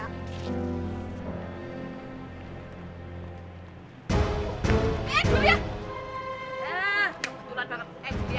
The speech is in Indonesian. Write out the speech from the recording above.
eh beli ya